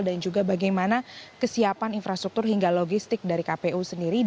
dan juga bagaimana kesiapan infrastruktur hingga logistik dari kpu sendiri